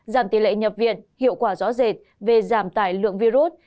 giảm tỷ lệ nhập viện hiệu quả rõ rệt về giảm tải lượng virus